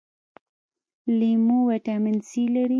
لیمو ویټامین سي لري